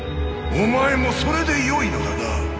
お前もそれでよいのだな？